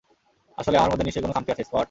আসলে, আমার মধ্যে নিশ্চয়ই কোনো খামতি আছে, স্কট।